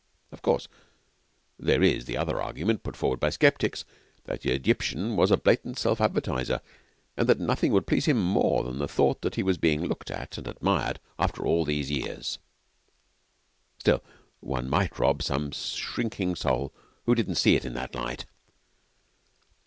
Of course, there is the other argument, put forward by sceptics, that the Egyptian was a blatant self advertiser, and that nothing would please him more than the thought that he was being looked at and admired after all these years. Still, one might rob some shrinking soul who didn't see it in that light.